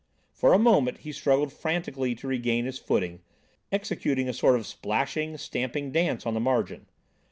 For a moment he struggled frantically to regain his footing, executing a sort of splashing, stamping dance on the margin.